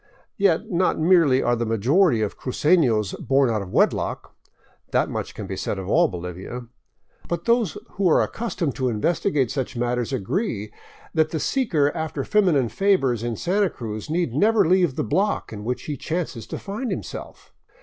Yet not merely are the majority of crucenos born out of wedlock — that much can be said of all Bolivia — but those who are accustomed to investigate such matters agree that the seeker after feminine favors in Santa Cruz need never leave the block in which he chances to find himself.